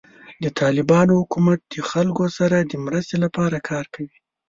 د طالبانو حکومت د خلکو سره د مرستې لپاره کار کوي.